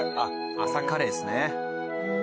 朝カレーですね。